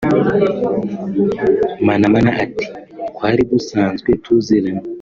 Manamana ati “ Twari dusanzwe tuziranye